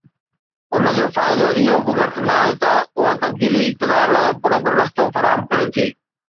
ان جو فائدو اهو به گهٽ ناهي ته اها تبديلي اقتدار لاءِ پرامن رستو فراهم ڪري ٿي.